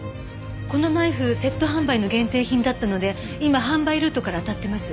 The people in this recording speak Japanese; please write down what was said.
このナイフセット販売の限定品だったので今販売ルートからあたってます。